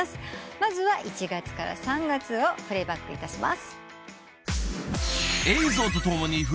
まずは１月から３月をプレーバックいたします。